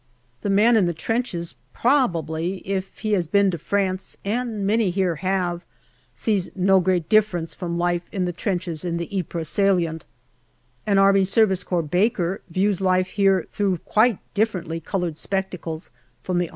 The man in the trenches, probably, if he has been to France, and many here have, sees no great difference from life in the. trenches in the Ypres salient. The A.S.C. baker views life here through quite differently coloured spectacles from the A.S.